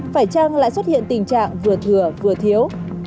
phải chăng lại xuất hiện tình trạng vừa thừa vừa thiếu